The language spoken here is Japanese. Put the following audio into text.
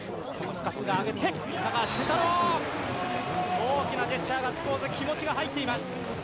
大きなジェスチャー、ガッツポーズ、気持ちが入っています。